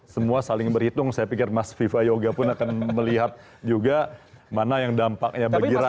semua saling berhitung saya pikir mas viva yoga pun akan melihat juga mana yang dampaknya bagi rakyat